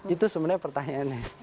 itu sebenarnya pertanyaannya